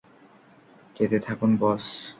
যেতে থাকুন বস!